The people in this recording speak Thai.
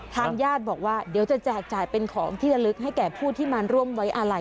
ทางญาติบอกว่าเดี๋ยวจะแจกจ่ายเป็นของที่ละลึกให้แก่ผู้ที่มาร่วมไว้อาลัย